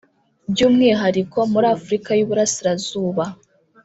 by’umwihariko muri Afurika y’Uburasirazuba